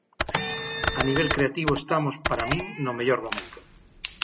A nivel creativo estamos, para min, no mellor momento.